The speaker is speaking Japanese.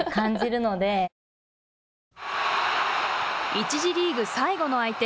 １次リーグ最後の相手